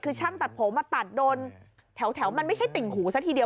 คือช่างตัดผมมาตัดโดนแถวมันไม่ใช่ติ่งหูซะทีเดียว